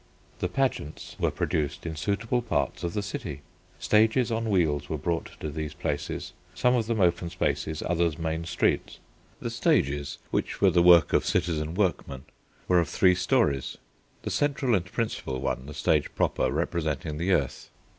The pageants were produced in suitable parts of the city. Stages on wheels were brought to these places, some of them open spaces, others main streets. The stages, which were the work of citizen workmen, were of three storeys, the central and principal one, the stage proper, representing the earth.